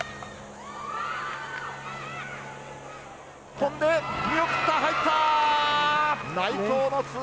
飛んで、見送った、入ったー。